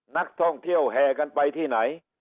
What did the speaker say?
นักท่องเที่ยวแห่กันไปที่ไหน